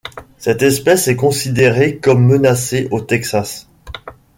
Cette espèces est considérée comme menacée au Texas.